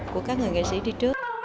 của các người nghệ sĩ đi trước